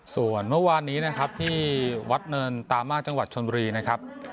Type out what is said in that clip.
ส่วนเมื่อวานนี้นะครับที่วัดเนินตามาศจังหวัดชนบุรีนะครับ